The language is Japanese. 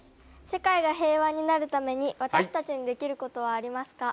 世界が平和になるために私たちにできることはありますか？